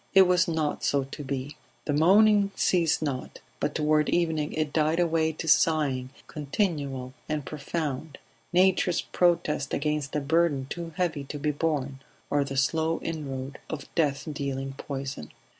It was not so to be; the moaning ceased not, but toward evening it died away to sighing, continual and profound nature's protest against a burden too heavy to be borne, or the slow inroad of death dealing poison.